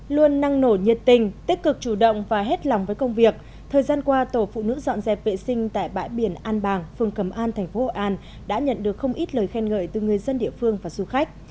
luôn năng nổ nhiệt tình tích cực chủ động và hết lòng với công việc thời gian qua tổ phụ nữ dọn dẹp vệ sinh tại bãi biển an bàng phường cẩm an thành phố hội an đã nhận được không ít lời khen ngợi từ người dân địa phương và du khách